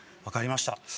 分かりました